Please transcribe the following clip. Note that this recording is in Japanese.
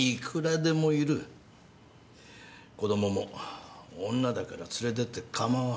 子供も女だから連れてって構わん。